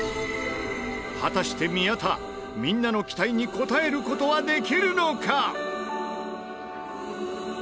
果たして宮田みんなの期待に応える事はできるのか？